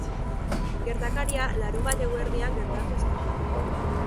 Gertakaria larunbat eguerdian gertatu zen.